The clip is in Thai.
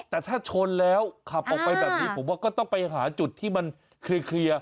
แต่ถ้าชนแล้วขับออกไปแบบนี้ผมว่าก็ต้องไปหาจุดที่มันเคลียร์